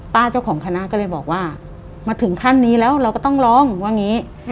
เจ้าของคณะก็เลยบอกว่ามาถึงขั้นนี้แล้วเราก็ต้องร้องว่าอย่างนี้